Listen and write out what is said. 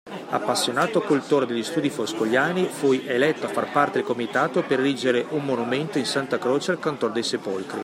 Appassionato cultore degli studi foscoliani, fu egli eletto a far parte del Comitato per erigere un monumento in Santa Croce al Cantor dei Sepolcri.